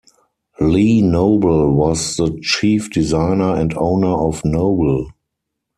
Lee Noble was the chief designer and owner of Noble.